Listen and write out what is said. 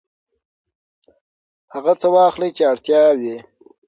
هغه څه واخلئ چې اړتیا وي.